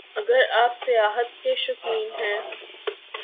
اگر آپ سیاحت کے شوقین ہیں